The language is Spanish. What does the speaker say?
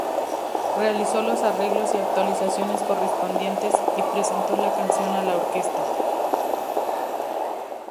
Realizó los arreglos y actualizaciones correspondientes, y presentó la canción a la orquesta.